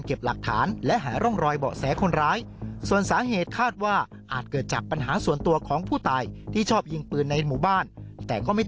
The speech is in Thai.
ก็ทราบว่ามีเหตุยิงกันตายครับ